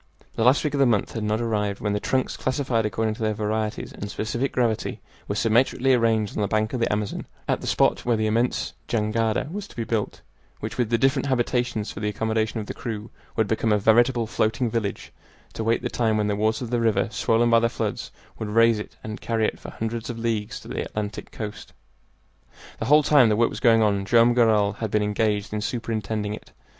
The last week of the month had not arrived when the trunks, classified according to their varieties and specific gravity, were symmetrically arranged on the bank of the Amazon, at the spot where the immense jangada was to be built which, with the different habitations for the accommodation of the crew, would become a veritable floating village to wait the time when the waters of the river, swollen by the floods, would raise it and carry it for hundreds of leagues to the Atlantic coast. The whole time the work was going on Joam Garral had been engaged in superintending it.